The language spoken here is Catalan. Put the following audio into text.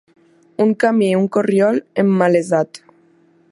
Un camí, un corriol, emmalesat.